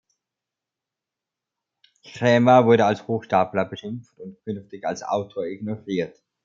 Krämer wurde als Hochstapler beschimpft und künftig als Autor ignoriert.